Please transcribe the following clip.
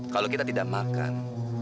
kalau kita tidak makan